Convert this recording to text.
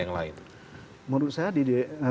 yang lain menurut saya di